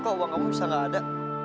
kok uang kamu bisa nggak ada